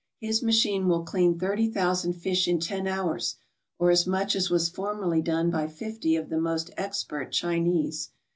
His machine will clean thirty thousand fish in ten hours, or as much as was formerly done by fifty of the most expert Chinese.